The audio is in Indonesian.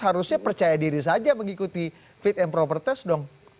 harusnya percaya diri saja mengikuti fit and proper test dong